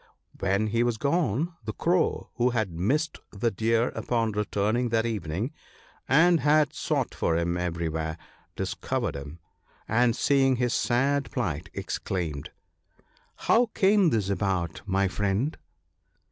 When he was gone, the Crow, who had missed the Deer upon returning that evening, and had sought for him everywhere, discovered him; and seeing his sad plight, exclaimed, —" How came this about, my friend